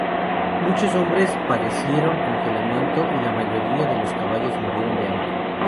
Muchos hombres padecieron congelamiento y la mayoría de los caballos murieron de hambre.